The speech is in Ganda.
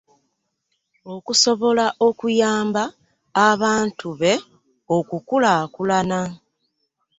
Okusobola okuyamba abantu be okukulaakulana